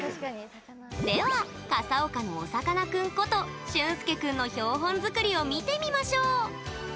では、笠岡のおさかなクンことしゅんすけ君の標本作りを見てみましょう！